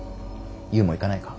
ゆうも行かないか。